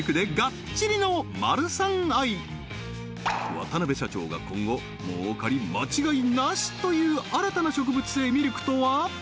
渡辺社長が今後儲かり間違いなしという新たな植物性ミルクとは？